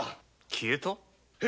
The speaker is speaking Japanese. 消えた！？